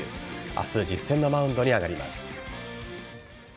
明日、実戦のマウンドに上がります。